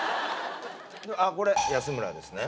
これ安村ですね。